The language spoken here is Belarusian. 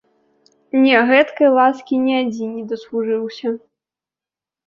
Не, гэткай ласкі ні адзін не даслужыўся.